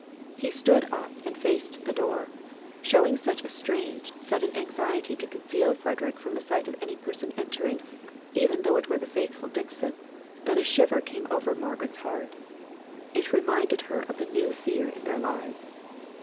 He stood up, and faced the door, showing such a strange, sudden anxiety to conceal Frederick from the sight of any person entering, even though it were the faithful Dixon, that a shiver came over Margaret's heart: it reminded her of the new fear in their lives.